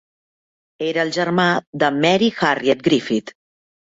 Era el germà de Mary Harriett Griffith.